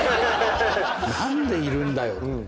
何でいるんだよ？と思って。